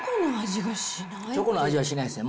チョコの味はしないですね。